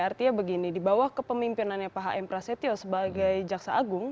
artinya begini dibawah kepemimpinannya pak hm prasetya sebagai jaksa agung